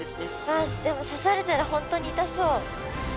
あっでも刺されたら本当に痛そう。